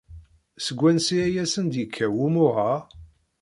Seg wansi ay asen-d-yekka wumuɣ-a?